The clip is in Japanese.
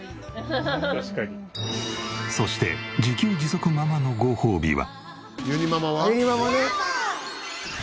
そして自給自足ママのごほうびは？